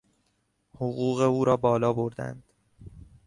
حقوق او را بالا بردند.